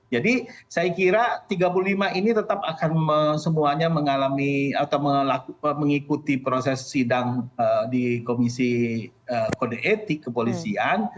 jadi saya kira tiga puluh lima ini tetap akan semuanya mengalami atau mengikuti proses sidang di komisi kode etik kepolisian